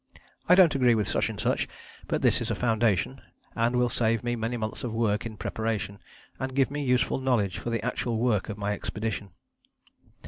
I don't agree with such and such, but this is a foundation and will save me many months of work in preparation, and give me useful knowledge for the actual work of my expedition."